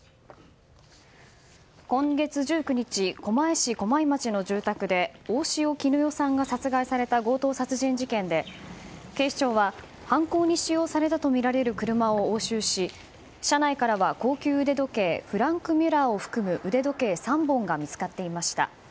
今月１９日狛江市狛江町の住宅で大塩衣与さんが殺害された強盗殺人事件で警視庁は、犯行に使用されたとみられる車を押収し車内からは高級腕時計フランクミュラーを含む腕時計３本が見つかっていました。